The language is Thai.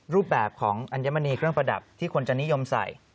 รูปแบบของอัญมณีเครื่องประดับที่คนจะนิยมใส่